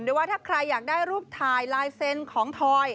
ว่าถ้าใครอยากได้รูปถ่ายลายเซ็นต์ของทอย